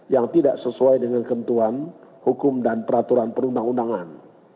yang tidak sesuai dengan kentuan hukum dan peraturan perundang undangan